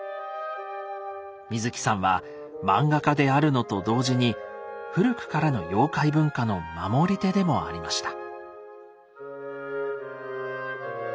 水木さんは漫画家であるのと同時に古くからの妖怪文化の守り手でもありました。